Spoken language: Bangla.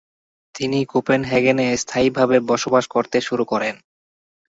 তিনি কোপেনহেগেনে স্থায়ীভাবে বসবাস করতে শুরু করেন।